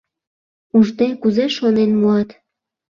Ужде, кузе шонен муат.